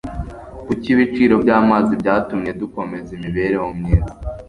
kuki ibiciro byamazi byatumye dukomeza imibereho myiza